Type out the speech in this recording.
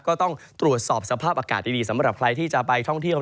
ก็ต้องตรวจสอบสภาพอากาศดีสำหรับใครที่จะไปท่องเที่ยว